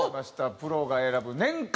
プロが選ぶ年間